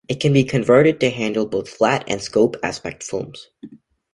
It can be converted to handle both Flat and Scope aspect films.